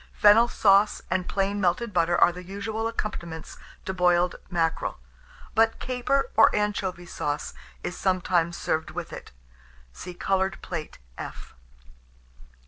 Fennel sauce and plain melted butter are the usual accompaniments to boiled mackerel; but caper or anchovy sauce is sometimes served with it. (See Coloured Plate, F.)